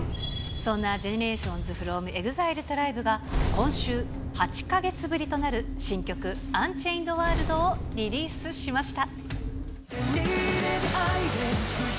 そんなＧＥＮＥＲＡＴＩＯＮＳｆｒｏｍＥＸＩＬＥＴＲＩＢＥが今週、８か月ぶりとなる新曲、アンチェインドワールドをリリースしました。